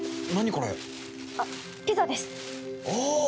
これあっピザですあっ！